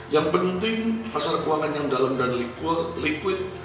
yang penting pasar keuangan yang dalam dan liquid